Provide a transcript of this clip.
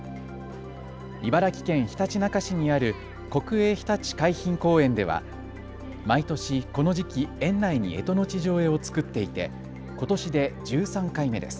茨城県ひたちなか市にある国営ひたち海浜公園では毎年この時期、園内にえとの地上絵を作っていてことしで１３回目です。